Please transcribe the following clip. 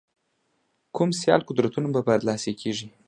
کوم سیال قدرتونه به برلاسي کېږي.